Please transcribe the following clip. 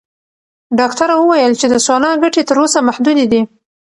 ډاکټره وویل چې د سونا ګټې تر اوسه محدودې دي.